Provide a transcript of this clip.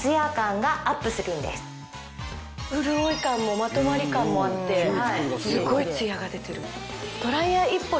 潤い感もまとまり感もあってすごいツヤが出てる。